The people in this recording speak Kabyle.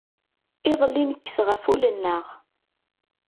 Iḍelli nekkes ɣef wul-nneɣ.